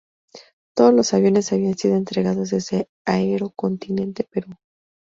Todos los aviones habían sido entregados desde Aero Continente Perú.